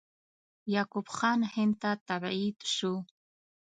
یعقوب خان هند ته تبعید شو.